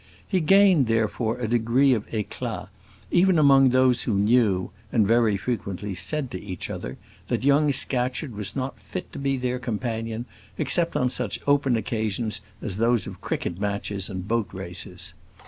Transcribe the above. He gained, therefore, a degree of éclat, even among those who knew, and very frequently said to each other, that young Scatcherd was not fit to be their companion except on such open occasions as those of cricket matches and boat races.